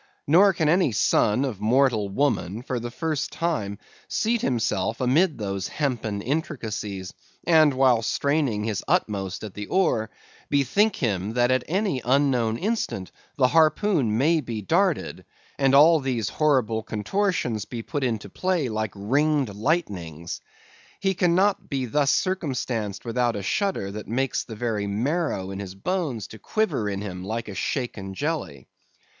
Nor can any son of mortal woman, for the first time, seat himself amid those hempen intricacies, and while straining his utmost at the oar, bethink him that at any unknown instant the harpoon may be darted, and all these horrible contortions be put in play like ringed lightnings; he cannot be thus circumstanced without a shudder that makes the very marrow in his bones to quiver in him like a shaken jelly.